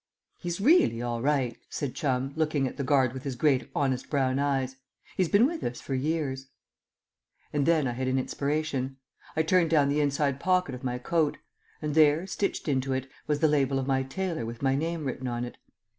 "He's really all right," said Chum, looking at the guard with his great honest brown eyes. "He's been with us for years." And then I had an inspiration. I turned down the inside pocket of my coat; and there, stitched into it, was the label of my tailor with my name written on it.